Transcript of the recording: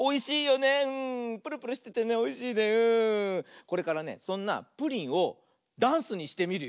これからねそんなプリンをダンスにしてみるよ。